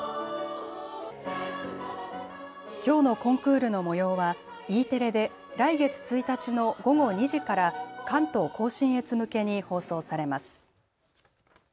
きょうのコンクールのもようはＥテレで来月１日の午後２時から関東甲信越向けに放送されます。